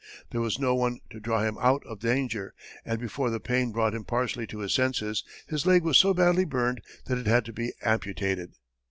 There was no one to draw him out of danger, and before the pain brought him partially to his senses, his leg was so badly burned that it had to be amputated.